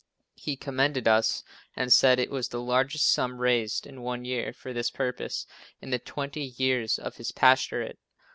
He commended us and said it was the largest sum raised in one year for this purpose in the twenty years of his pastorate.